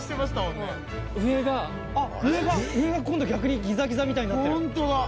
上が上が今度逆にギザギザみたいになってるホントだ！